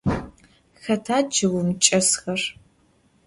Xeta ççıgım çç'esxer?